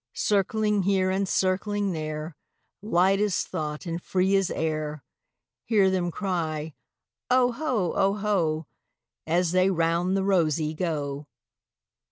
Circling here and circling there, Light as thought and free as air, Hear them cry, "Oho, oho,"As they round the rosey go.